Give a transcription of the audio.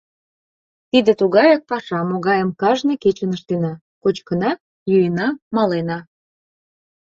Тиде тугаяк паша, могайым кажне кечын ыштена: кочкына, йӱына, малена.